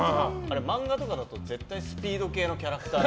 漫画とかだと絶対スピード系のキャラクター。